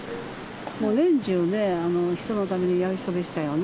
年中ね、人のためにやる人でしたよね。